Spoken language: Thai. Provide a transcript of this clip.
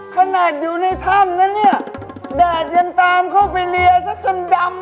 ขนาดอยู่ในถ้ำนะเนี่ยแดดยังตามเข้าไปเรียซะจนดำ